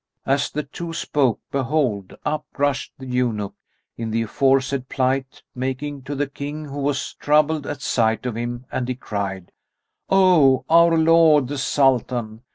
As the two spoke behold, up rushed the eunuch, in the aforesaid plight, making to the King who was troubled at sight of him; and he cried "O our lord the Sultan!